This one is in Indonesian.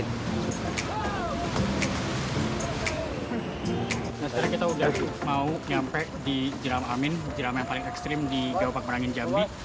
nah sekarang kita sudah mau nyampe di jeram amin jeram yang paling ekstrim di gawapak merangin jambi